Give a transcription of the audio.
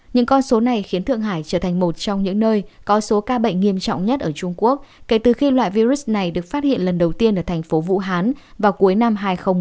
những con số này khiến thượng hải trở thành một trong những nơi có số ca bệnh nghiêm trọng nhất ở trung quốc kể từ khi loại virus này được phát hiện lần đầu tiên ở thành phố vũ hán vào cuối năm hai nghìn một mươi ba